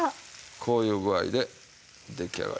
こういう具合で出来上がりですわ。